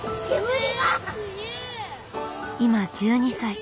今１２歳。